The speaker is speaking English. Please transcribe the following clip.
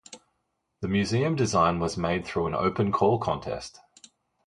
The museum design was made through an open call contest.